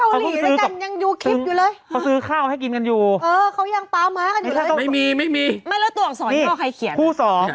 ก็บอกว่าลูกหลักนักร้อง